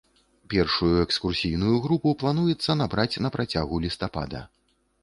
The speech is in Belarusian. Першую экскурсійную групу плануецца набраць на працягу лістапада.